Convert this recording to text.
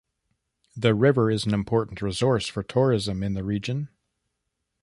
The river is an important resource for tourism in the region.